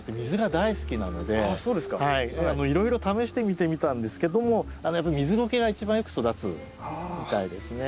いろいろ試してみてみたんですけども水ゴケが一番よく育つみたいですね。